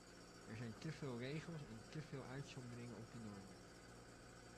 Er zijn teveel regels en teveel uitzonderingen op de normen.